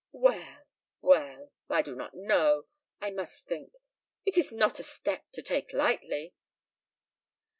"Well well I do not know. I must think. It is not a step to take lightly."